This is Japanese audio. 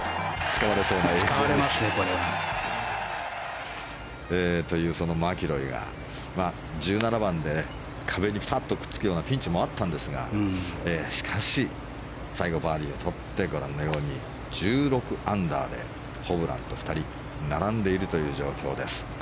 使われますね、これは。というそのマキロイが１７番で壁にピタッとくっつくようなピンチもあったんですがしかし、最後バーディーを取ってご覧のように１６アンダーでホブランと２人並んでいるという状況です。